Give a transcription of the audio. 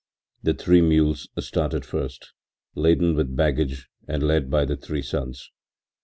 Three mules started first, laden with baggage and led by the three sons.